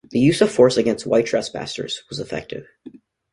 The use of force against white trespassers was effective.